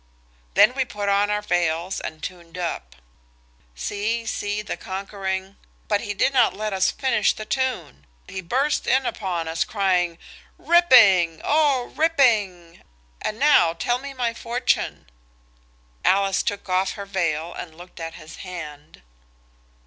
Then we put on our veils and tuned up. "See, see the conquering–" But he did not let us finish the tune; he burst in upon us, crying– "Ripping–oh, ripping! And now tell me my fortune." Alice took off her veil and looked at his hand.